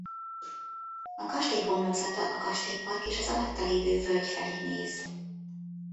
A kastély homlokzata a kastélypark és az alatta lévő völgy felé néz.